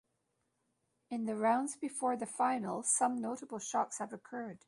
In the rounds before the final some notable shocks have occurred.